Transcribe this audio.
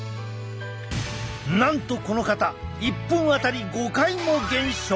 なんとこの方１分当たり５回も減少！